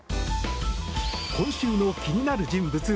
今週の気になる人物